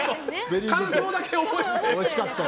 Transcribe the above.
感想だけ覚えてた。